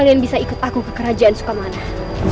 kalian bisa ikut aku ke kerajaan suka tidak